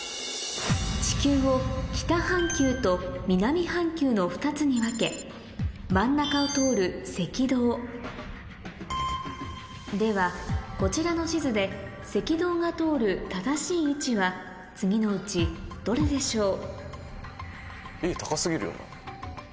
地球を北半球と南半球の２つに分け真ん中を通る赤道ではこちらの地図で次のうちどれでしょう？